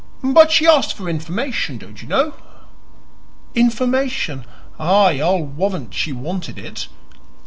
"But she asked for information, don't you know." "Information? Aye, I'll warrant she wanted it.